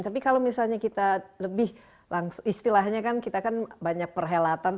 tapi kalau misalnya kita lebih istilahnya kan kita kan banyak perhelatan